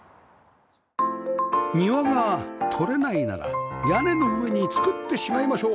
庭が取れないなら屋根の上に作ってしまいましょう